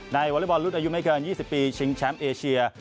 วอเล็กบอลรุ่นอายุไม่เกิน๒๐ปีชิงแชมป์เอเชีย